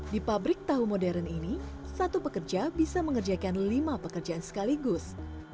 di pabrik tahu modern ini satu pekerja bisa mengerjakan lima pekerjaan sekaligus